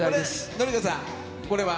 紀香さん、これは？